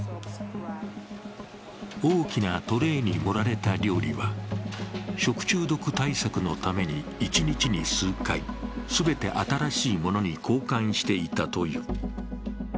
大きなトレイに盛られた料理は食中毒対策のために１日に数回全て新しいものに交換していたという。